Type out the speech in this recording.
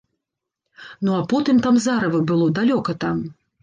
Ну а потым там зарыва было, далёка там.